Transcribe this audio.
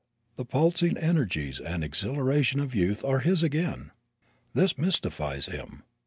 The pulsing energies and exhilaration of youth are his again! This mystifies him.